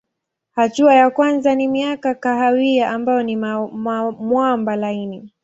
Hatua ya kwanza ni makaa kahawia ambayo ni mwamba laini.